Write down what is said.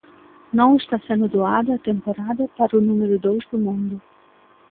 Non está sendo doada a temporada para o número dous do mundo.